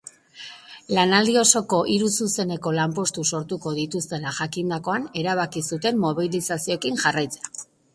Lanaldi osoko hiru zuzeneko lanpostu sortuko dituztela jakindakoan erabaki zuten mobilizazioekin jarraitzea.